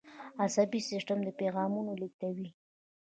عصبي سیستم پیغامونه لیږدوي